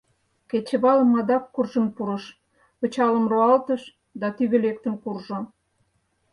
Кечывалым адак куржын пурыш, пычалым руалтыш да тӱгӧ лектын куржо.